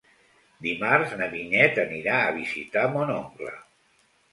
Dimarts na Vinyet anirà a visitar mon oncle.